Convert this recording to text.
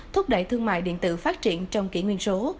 thúc đẩy thương mại điện tử phát triển trong kỷ nguyên số